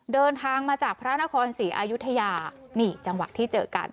เดินทางมาจากพระนครศรีอายุทยานี่จังหวะที่เจอกัน